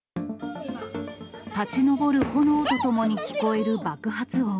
立ち上る炎とともに聞こえる